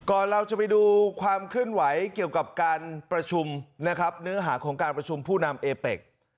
เราจะไปดูความเคลื่อนไหวเกี่ยวกับการประชุมนะครับเนื้อหาของการประชุมผู้นำเอเป็ก